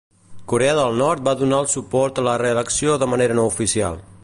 Corea del Nord va donar el suport a la reelecció de manera no oficial.